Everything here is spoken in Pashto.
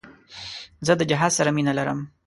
زه د جهاد سره مینه لرم.